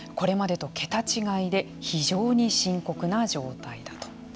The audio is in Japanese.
これまでと桁違いで非常に深刻な状態だと。